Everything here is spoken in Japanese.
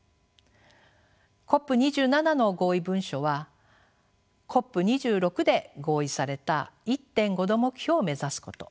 ＣＯＰ２７の合意文書はＣＯＰ２６で合意された１．５℃目標を目指すこと